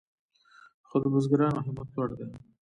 خو د بزګرانو همت لوړ دی.